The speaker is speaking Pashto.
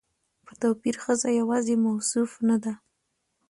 په توپير ښځه يواځې موصوف نه ده